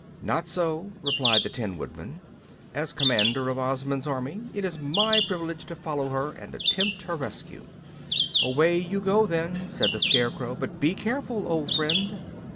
"Not so," replied the Tin Woodman. "As commander of Ozma's army, it is my privilege to follow her and attempt her rescue." "Away you go, then," said the Scarecrow. "But be careful, old friend."